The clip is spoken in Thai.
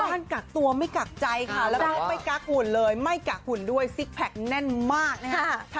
ท่านกักตัวไม่กักใจค่ะแล้วก็ไม่กักหุ่นเลยไม่กักหุ่นด้วยซิกแพคแน่นมากนะคะ